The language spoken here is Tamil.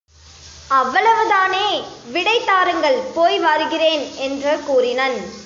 அவ்வளவு தானே, விடை தாருங்கள், போய்வருகிறேன் என்று கூறினன்.